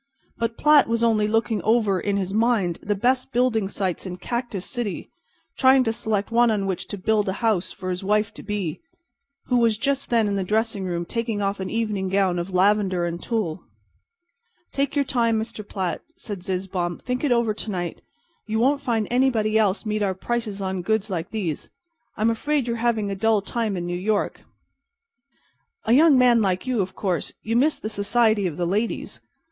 But Platt was only looking over in his mind the best building sites in Cactus City, trying to select one on which to build a house for his wife to be—who was just then in the dressing room taking off an evening gown of lavender and tulle. "Take your time, Mr. Platt," said Zizzbaum. "Think it over to night. You won't find anybody else meet our prices on goods like these. I'm afraid you're having a dull time in New York, Mr. Platt. A young man like you—of course, you miss the society of the ladies.